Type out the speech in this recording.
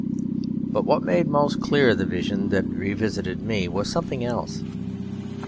But what made most clear the vision that revisited me was something else.